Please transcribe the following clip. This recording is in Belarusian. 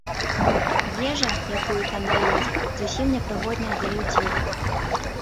Ежа, якую там даюць, зусім не прыгодная для людзей.